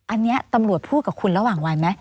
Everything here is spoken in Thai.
อันนี้ตำรวจพูดกับคุณระหว่างวันไหม